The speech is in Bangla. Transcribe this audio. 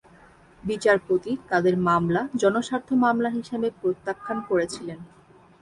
বিচারপতি তাদের মামলা জনস্বার্থ মামলা হিসাবে প্রত্যাখ্যান করেছিলেন।